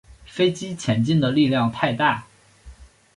飞机前进的力量太大